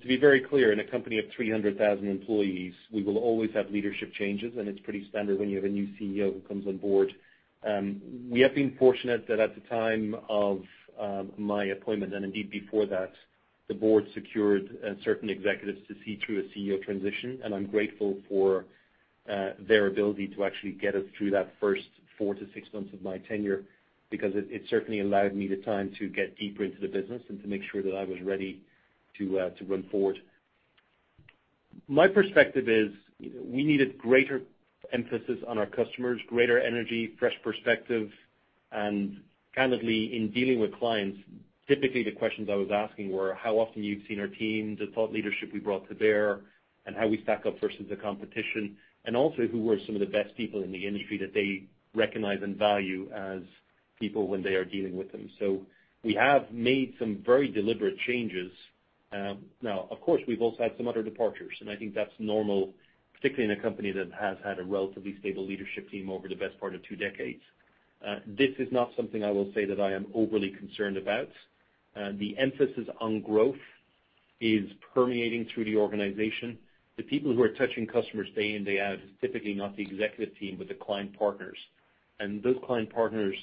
to be very clear, in a company of 300,000 employees, we will always have leadership changes and it's pretty standard when you have a new CEO who comes on board. We have been fortunate that at the time of my appointment and indeed before that, the board secured certain executives to see through a CEO transition and I'm grateful for their ability to actually get us through that first four to six months of my tenure, because it certainly allowed me the time to get deeper into the business and to make sure that I was ready to run forward. My perspective is we needed greater emphasis on our customers, greater energy, fresh perspective, and candidly, in dealing with clients, typically the questions I was asking were how often you've seen our teams, the thought leadership we brought to bear, and how we stack up versus the competition, and also who were some of the best people in the industry that they recognize and value as people when they are dealing with them. We have made some very deliberate changes. Now, of course, we've also had some other departures, and I think that's normal, particularly in a company that has had a relatively stable leadership team over the best part of two decades. This is not something I will say that I am overly concerned about. The emphasis on growth is permeating through the organization. The people who are touching customers day in, day out is typically not the executive team, but the client partners. Those client partners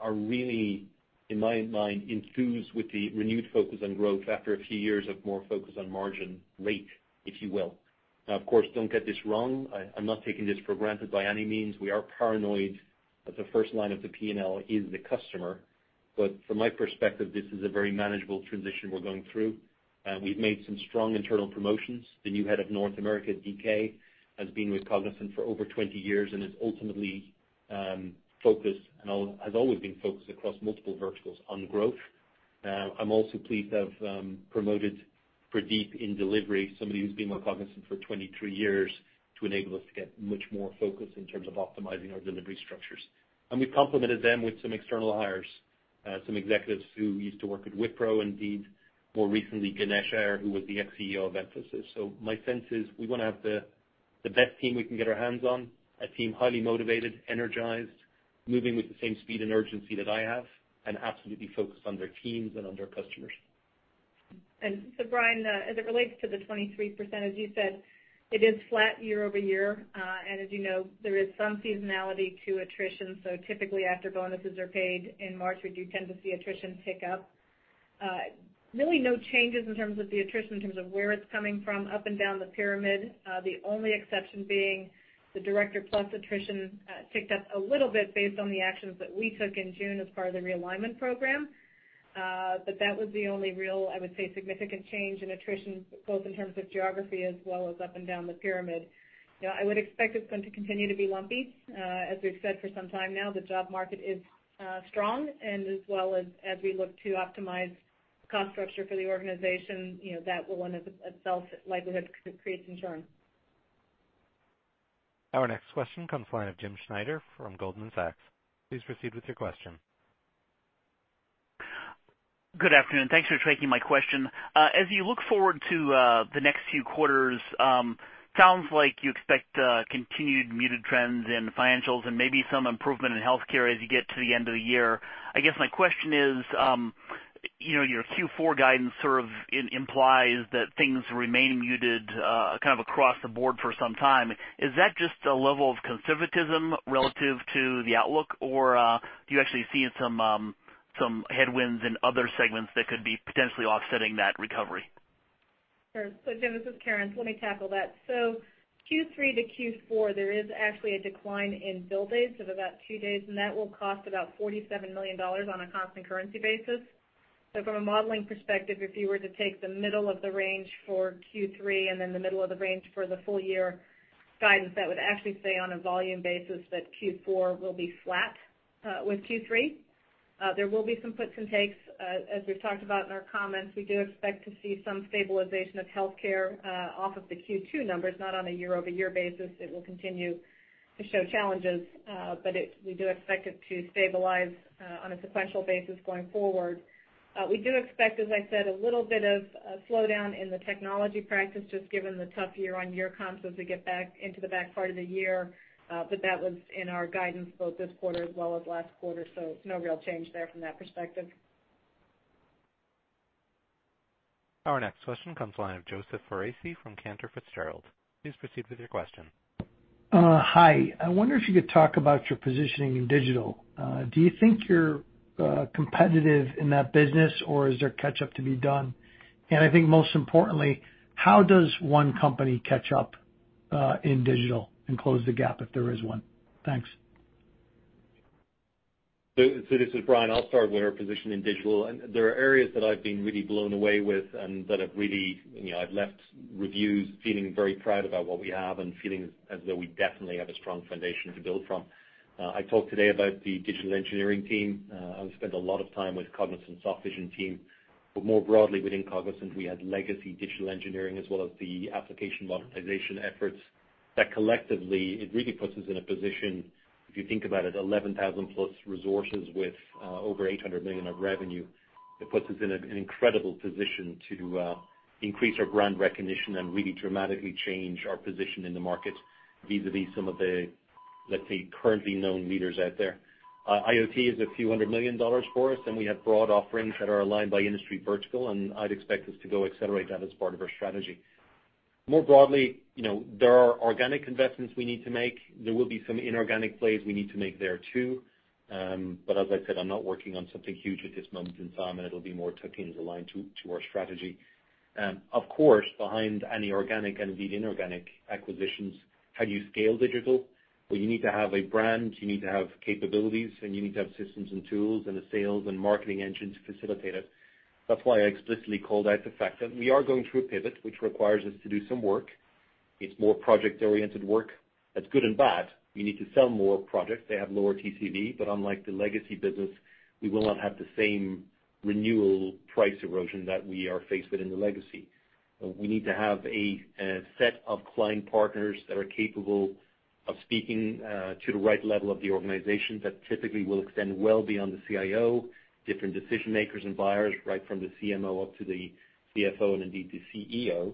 are really, in my mind, enthused with the renewed focus on growth after a few years of more focus on margin rate, if you will. Of course, don't get this wrong. I'm not taking this for granted by any means. We are paranoid that the first line of the P&L is the customer. From my perspective, this is a very manageable transition we're going through. We've made some strong internal promotions. The new Head of North America, DK, has been with Cognizant for over 20 years and is ultimately focused and has always been focused across multiple verticals on growth. I'm also pleased to have promoted Pradeep in delivery, somebody who's been with Cognizant for 23 years, to enable us to get much more focus in terms of optimizing our delivery structures. We've complemented them with some external hires, some executives who used to work at Wipro, indeed, more recently, Ganesh Ayyar, who was the ex-CEO of Mphasis. My sense is we want to have the best team we can get our hands on, a team highly motivated, energized, moving with the same speed and urgency that I have, and absolutely focused on their teams and on their customers. Brian, as it relates to the 23%, as you said, it is flat year-over-year. As you know, there is some seasonality to attrition. Typically after bonuses are paid in March, we do tend to see attrition pick up. Really no changes in terms of the attrition, in terms of where it's coming from up and down the pyramid. The only exception being the director plus attrition ticked up a little bit based on the actions that we took in June as part of the realignment program. That was the only real, I would say, significant change in attrition, both in terms of geography as well as up and down the pyramid. I would expect it's going to continue to be lumpy. As we've said for some time now, the job market is strong. As well as we look to optimize cost structure for the organization, that will in itself likelihood create some churn. Our next question comes the line of Jim Schneider from Goldman Sachs. Please proceed with your question. Good afternoon. Thanks for taking my question. As you look forward to the next few quarters, sounds like you expect continued muted trends in financials and maybe some improvement in healthcare as you get to the end of the year. I guess my question is, your Q4 guidance sort of implies that things remain muted kind of across the board for some time. Is that just a level of conservatism relative to the outlook, or do you actually see some headwinds in other segments that could be potentially offsetting that recovery? Sure. Jim, this is Karen. Let me tackle that. Q3 to Q4, there is actually a decline in bill days of about two days, and that will cost about $47 million on a constant currency basis. From a modeling perspective, if you were to take the middle of the range for Q3 and then the middle of the range for the full year guidance, that would actually say on a volume basis that Q4 will be flat with Q3. There will be some puts and takes, as we've talked about in our comments. We do expect to see some stabilization of healthcare off of the Q2 numbers, not on a year-over-year basis. It will continue to show challenges, but we do expect it to stabilize on a sequential basis going forward. We do expect, as I said, a little bit of a slowdown in the technology practice, just given the tough year-over-year comps as we get back into the back part of the year. That was in our guidance both this quarter as well as last quarter. No real change there from that perspective. Our next question comes line of Joseph Foresi from Cantor Fitzgerald. Please proceed with your question. Hi. I wonder if you could talk about your positioning in digital. Do you think you're competitive in that business or is there catch up to be done? I think most importantly, how does one company catch up in digital and close the gap if there is one? Thanks. This is Brian. I'll start where we're positioned in digital. There are areas that I've been really blown away with and that I've left reviews feeling very proud about what we have and feeling as though we definitely have a strong foundation to build from. I talked today about the digital engineering team. I've spent a lot of time with Cognizant Softvision team, but more broadly within Cognizant, we had legacy digital engineering as well as the application modernization efforts that collectively, it really puts us in a position, if you think about it, 11,000 plus resources with over $800 million of revenue. It puts us in an incredible position to increase our brand recognition and really dramatically change our position in the market vis-a-vis some of the, let's say, currently known leaders out there. IoT is a few hundred million dollars for us, and we have broad offerings that are aligned by industry vertical, and I'd expect us to go accelerate that as part of our strategy. More broadly, there are organic investments we need to make. There will be some inorganic plays we need to make there, too. As I said, I'm not working on something huge at this moment in time, and it'll be more tucked in as aligned to our strategy. Of course, behind any organic and indeed inorganic acquisitions, how do you scale digital? Well, you need to have a brand, you need to have capabilities, and you need to have systems and tools and a sales and marketing engine to facilitate it. That's why I explicitly called out the fact that we are going through a pivot, which requires us to do some work. It's more project-oriented work. That's good and bad. We need to sell more projects. They have lower TCV. Unlike the legacy business, we will not have the same renewal price erosion that we are faced with in the legacy. We need to have a set of client partners that are capable of speaking to the right level of the organization that typically will extend well beyond the CIO, different decision-makers and buyers, right from the CMO up to the CFO and indeed the CEO,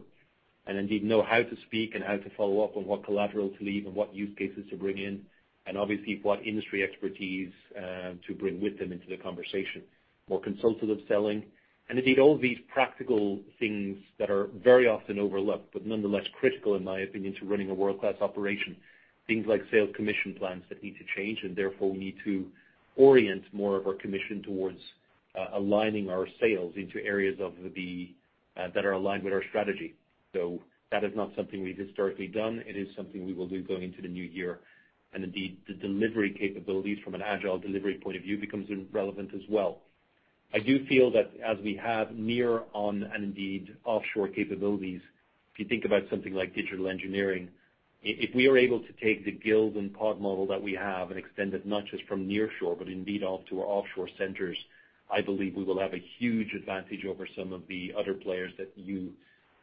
and indeed know how to speak and how to follow up on what collateral to leave and what use cases to bring in, and obviously what industry expertise to bring with them into the conversation. More consultative selling. Indeed, all these practical things that are very often overlooked, but nonetheless critical, in my opinion, to running a world-class operation. Things like sales commission plans that need to change and therefore we need to orient more of our commission towards aligning our sales into areas that are aligned with our strategy. That is not something we've historically done. It is something we will do going into the new year. Indeed, the delivery capabilities from an agile delivery point of view becomes relevant as well. I do feel that as we have nearshore and indeed offshore capabilities, if you think about something like digital engineering, if we are able to take the guild and pod model that we have and extend it not just from nearshore, but indeed out to our offshore centers, I believe we will have a huge advantage over some of the other players that you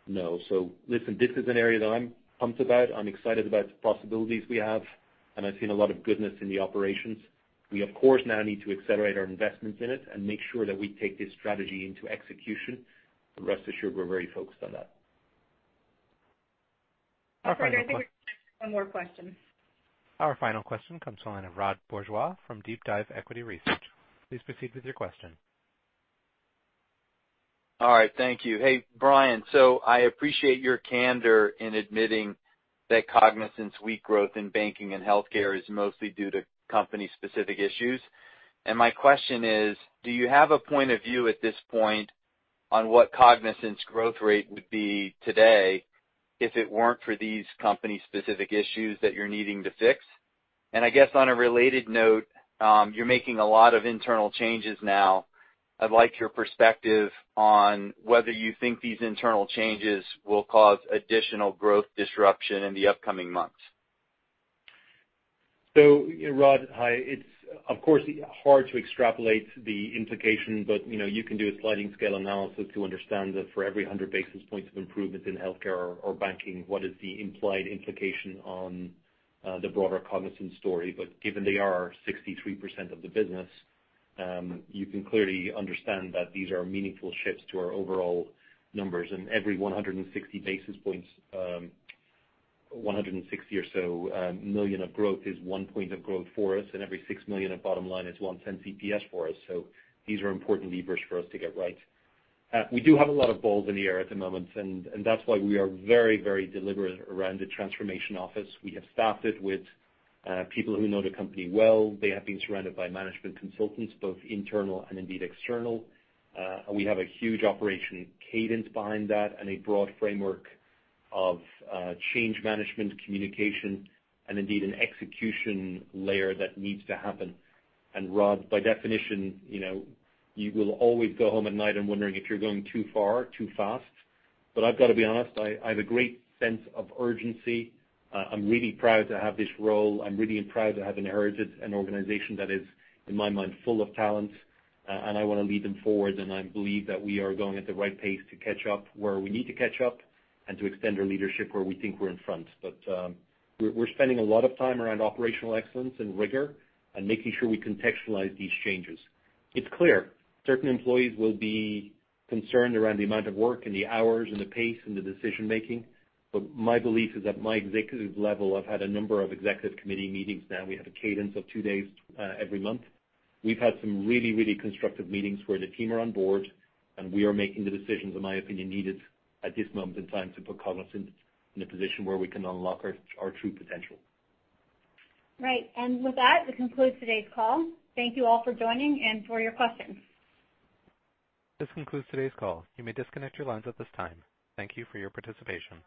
know. Listen, this is an area that I'm pumped about. I'm excited about the possibilities we have, and I've seen a lot of goodness in the operations. We, of course, now need to accelerate our investments in it and make sure that we take this strategy into execution. Rest assured, we're very focused on that. Operator, I think we have one more question. Our final question comes to the line of Rod Bourgeois from DeepDive Equity Research. Please proceed with your question. All right. Thank you. Hey, Brian. I appreciate your candor in admitting that Cognizant's weak growth in banking and healthcare is mostly due to company-specific issues. My question is, do you have a point of view at this point on what Cognizant's growth rate would be today if it weren't for these company-specific issues that you're needing to fix? I guess on a related note, you're making a lot of internal changes now. I'd like your perspective on whether you think these internal changes will cause additional growth disruption in the upcoming months. Rod, hi. It's of course, hard to extrapolate the implication, but you can do a sliding scale analysis to understand that for every 100 basis points of improvements in healthcare or banking, what is the implied implication on the broader Cognizant story. Given they are 63% of the business, you can clearly understand that these are meaningful shifts to our overall numbers. Every 160 basis points, 160 or so million of growth is one point of growth for us, and every 6 million of bottom line is 110 bps for us. These are important levers for us to get right. We do have a lot of balls in the air at the moment, and that's why we are very deliberate around the transformation office. We have staffed it with people who know the company well. They have been surrounded by management consultants, both internal and indeed external. We have a huge operation cadence behind that and a broad framework of change management communication and indeed an execution layer that needs to happen. Rod, by definition, you will always go home at night and wondering if you're going too far, too fast. I've got to be honest, I have a great sense of urgency. I'm really proud to have this role. I'm really proud to have inherited an organization that is, in my mind, full of talent, and I want to lead them forward. I believe that we are going at the right pace to catch up where we need to catch up and to extend our leadership where we think we're in front. We're spending a lot of time around operational excellence and rigor and making sure we contextualize these changes. It's clear, certain employees will be concerned around the amount of work and the hours and the pace and the decision-making. My belief is at my executive level, I've had a number of executive committee meetings now. We have a cadence of two days every month. We've had some really constructive meetings where the team are on board, and we are making the decisions, in my opinion, needed at this moment in time to put Cognizant in a position where we can unlock our true potential. Right. With that, this concludes today's call. Thank you all for joining and for your questions. This concludes today's call. You may disconnect your lines at this time. Thank you for your participation.